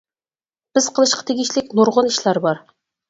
بىز قىلىشقا تېگىشلىك نۇرغۇن ئىشلار بار.